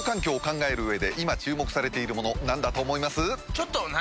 ちょっと何？